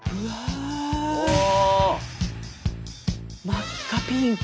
真っ赤ピンク。